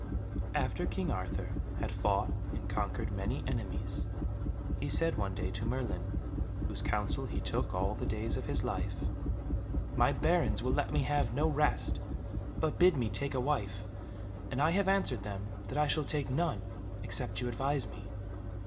After King Arthur had fought and conquered many enemies, he said one day to Merlin, whose counsel he took all the days of his life, "My Barons will let me have no rest, but bid me take a wife, and I have answered them that I shall take none, except you advise me."